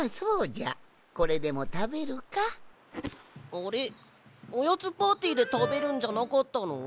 あれおやつパーティーでたべるんじゃなかったの？